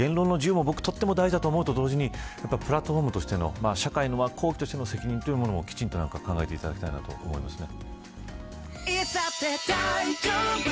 言論の自由もとても大事だと思うと同時にプラットフォームとしての責任というものも、きちんと考えていただきたいなと思いますね。